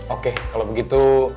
oke kalau begitu